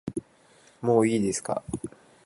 もういいですか